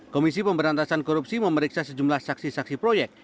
komisi pemberantasan korupsi memeriksa sejumlah saksi saksi proyek